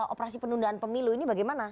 operasi penundaan pemilu ini bagaimana